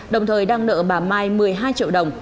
đồng thời đang nợ bà mai một mươi hai triệu đồng